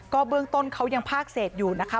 เบื้องต้นเขายังพากเศษอยู่นะคะ